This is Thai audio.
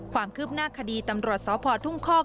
ความคืบหน้าคดีตำรวจสพทุ่งคอก